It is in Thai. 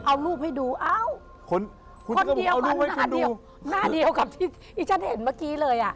เขายุบไปดูเอ้าคนเดียวมันหน้าเดียวกับที่ฉันเห็นเมื่อกี้เลยอ่ะ